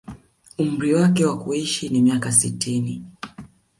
Umri wake wa kuishi ni miaka sitini